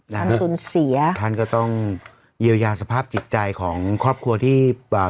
ท่านสูญเสียท่านก็ต้องเยียวยาสภาพจิตใจของครอบครัวที่อ่า